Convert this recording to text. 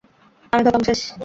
আমি খতম, শেষ।